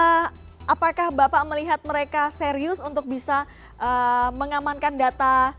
marketplace atau fintech sebenarnya apakah bapak melihat mereka serius untuk bisa mengamankan data